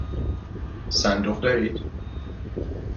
صندوق دارید؟